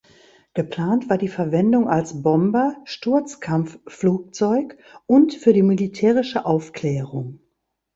Geplant war die Verwendung als Bomber, Sturzkampfflugzeug und für die militärische Aufklärung.